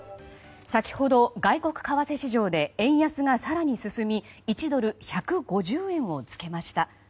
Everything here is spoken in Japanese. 先ほど、外国為替市場で円安が更に進み１ドル＝１５０円を付けました。